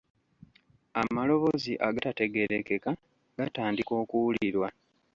Amaloboozi agatategeerekeka gatandika okuwulirwa.